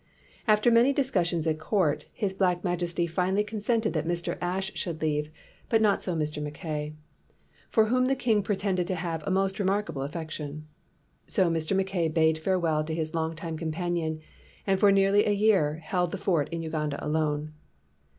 After many discussions at court, his black majesty finally consented that Mr. Ashe should leave, but not so Mr. Mackay, 250 HE LAYS DOWN HIS TOOLS for whom the king pretended to have a most remarkable affection. So Mr. Mackay bade farewell to his long time companion, and for nearly a year held the fort in Uganda alone.